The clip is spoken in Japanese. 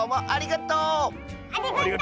ありがとう！